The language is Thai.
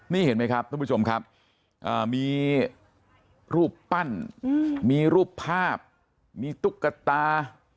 นี่เห็นไหมครับท่านผู้ชมครับมีรูปปั้นมีรูปภาพมีตุ๊กตา